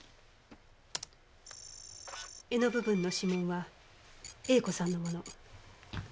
柄の部分の指紋は栄子さんのもの。